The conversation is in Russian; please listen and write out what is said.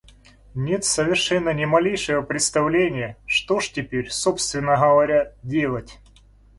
Нет совершенно ни малейшего представления, что ж теперь, собственно говоря, делать?!